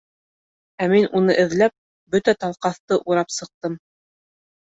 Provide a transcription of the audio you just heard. Ә мин уны эҙләп бөтә Талҡаҫты урап сыҡтым!..